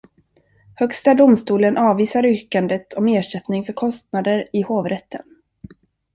Högsta domstolen avvisar yrkandet om ersättning för kostnader i hovrätten.